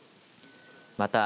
また、